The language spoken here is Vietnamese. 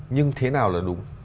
nhưng thế nào là đúng